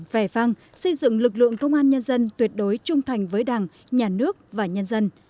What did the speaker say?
vẻ vang xây dựng lực lượng công an nhân dân tuyệt đối trung thành với đảng nhà nước và nhân dân